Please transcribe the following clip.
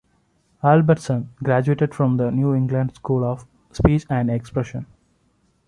Albertson graduated from the New England School of Speech and Expression.